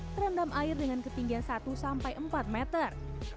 terendam air dengan ketinggian satu sampai empat meter